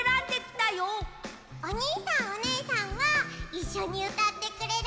おにいさんおねえさんはいっしょにうたってくれる？